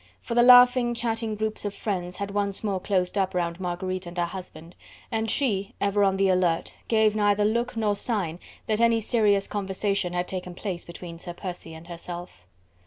For the laughing, chatting groups of friends had once more closed up round Marguerite and her husband, and she, ever on the alert, gave neither look nor sign that any serious conversation had taken place between Sir Percy and herself.